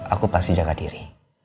aku pasti jaga diri